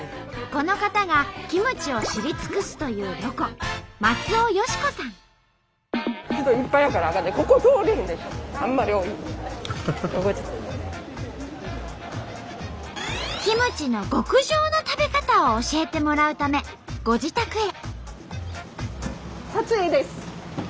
この方がキムチを知り尽くすというロコキムチの極上の食べ方を教えてもらうためご自宅へ。